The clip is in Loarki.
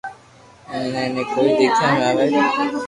ھين اي ني ڪوئي ديکيا ۾ آوو ھين